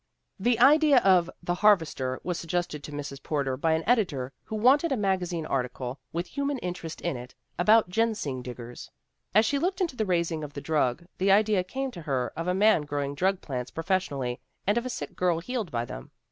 The idea of The Harvester was suggested to Mrs. Porter by an editor who wanted a magazine article, with human interest in it, about ginseng diggers. As she looked into the raising of the drug, the idea came to her of a man growing drug plants professionally and of a sick girl healed by them.